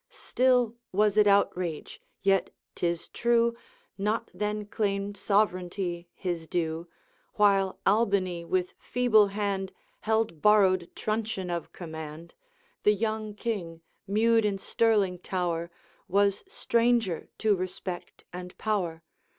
'Still was it outrage; yet, 'tis true, Not then claimed sovereignty his due; While Albany with feeble hand Held borrowed truncheon of command, The young King, mewed in Stirling tower, Was stranger to respect and power.